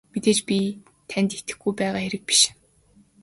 Мэдээж би танд итгэхгүй байгаа хэрэг биш.